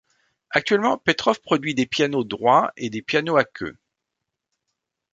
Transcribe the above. Actuellement, Petrof produit des pianos droits et des pianos à queue.